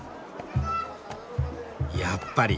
やっぱり。